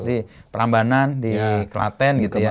di pelambanan di kelaten gitu ya